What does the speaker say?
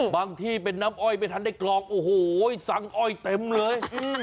ที่เป็นน้ำอ้อยไม่ทันได้กลองโอ้โหสั่งอ้อยเต็มเลย